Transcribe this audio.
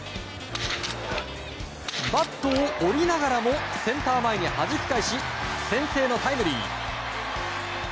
バットを折りながらもセンター前にはじき返し先制のタイムリー。